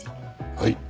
はい。